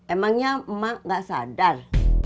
emangnya emak gak sadar